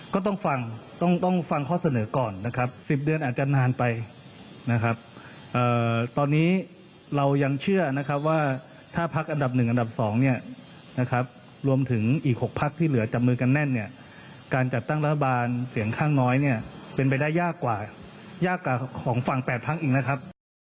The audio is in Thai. ก็ต้องฟังต้องฟังข้อเสนอก่อนนะครับ๑๐เดือนอาจจะนานไปนะครับตอนนี้เรายังเชื่อนะครับว่าถ้าพักอันดับ๑อันดับ๒เนี่ยนะครับรวมถึงอีก๖พักที่เหลือจับมือกันแน่นเนี่ยการจัดตั้งรัฐบาลเสียงข้างน้อยเนี่ยเป็นไปได้ยากกว่ายากกว่าของฝั่ง๘พักอีกนะครับ